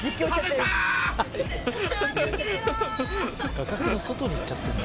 「画角の外に行っちゃって」